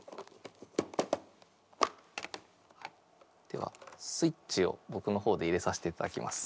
ではスイッチをぼくのほうで入れさせていただきます。